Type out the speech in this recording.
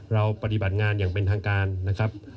ปฏิบัติงานอย่างเป็นทางการนะครับ